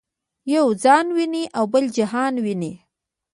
یو ځان ویني او بل جهان ویني.